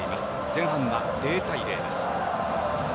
前半は０対０です。